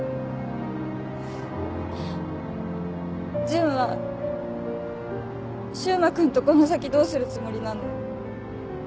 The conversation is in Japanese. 純は柊磨君とこの先どうするつもりなの？